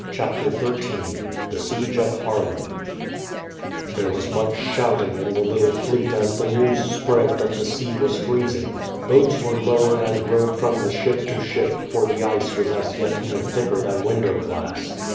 CHAPTER XIII THE SIEGE OF HAARLEM There was much shouting in the little fleet as the news spread that the sea was freezing. Boats were lowered and rowed from the ship to ship, for the ice was as yet no thicker than window glass.